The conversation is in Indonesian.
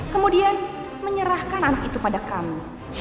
kemudian menyerahkan anak itu pada kami